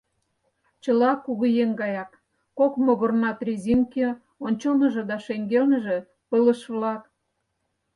Чыла кугыеҥын гаяк, кок могырнат резинке, ончылныжо да шеҥгелныже пылыш-влак!